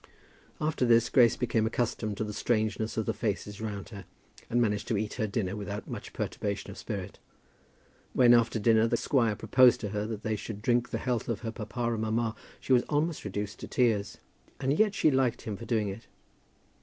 After this Grace became accustomed to the strangeness of the faces round her, and managed to eat her dinner without much perturbation of spirit. When after dinner the squire proposed to her that they should drink the health of her papa and mamma, she was almost reduced to tears, and yet she liked him for doing it.